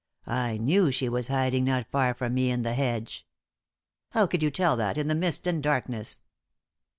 I knew she was hiding not far from me in the hedge." "How could you tell that, in the mist and darkness?"